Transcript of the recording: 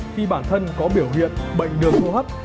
khi bản thân có biểu hiện bệnh đường hô hấp